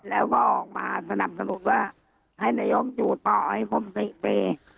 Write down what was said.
แล้วก็ออกมาสนับสนุนว่าให้นโยคอยู่ต่อให้พบสิบปี